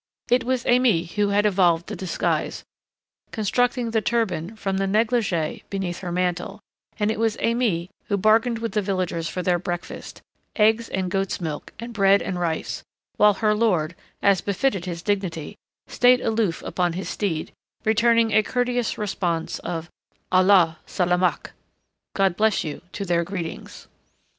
It was Aimée who had evolved the disguise, constructing the turban from the negligee beneath her mantle, and it was Aimée who bargained with the villagers for their breakfast, eggs and goats' milk and bread and rice, while her lord, as befitted his dignity, stayed aloof upon his steed, returning a courteous response of "Allah salimak God bless you" to their greetings.